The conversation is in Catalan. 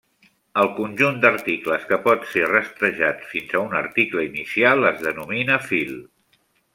El conjunt d'articles que pot ser rastrejats fins a un article inicial es denomina fil.